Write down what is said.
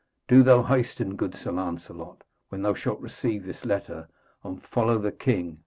Do thou hasten, good Sir Lancelot, when thou shalt receive this letter, and follow the king.